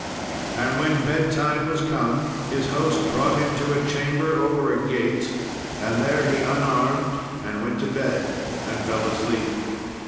And when bed time was come, his host brought him to a chamber over a gate, and there he unarmed, and went to bed and fell asleep.